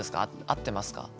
合ってますか？